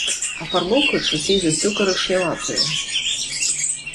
Афарбоўка часцей за ўсё карычняватая.